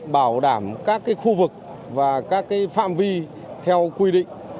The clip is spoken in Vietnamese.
bảo đảm các khu vực và các phạm vi theo quy định